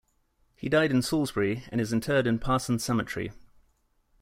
He died in Salisbury, and is interred in Parsons Cemetery.